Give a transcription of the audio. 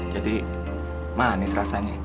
jadi manis rasanya